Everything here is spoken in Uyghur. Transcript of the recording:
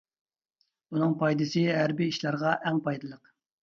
بۇنىڭ پايدىسى ھەربىي ئىشلارغا ئەڭ پايدىلىق.